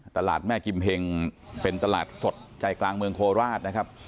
ตลาดแม่กิมเพ็งเป็นตลาดสดใจกลางเมืองโคลาศ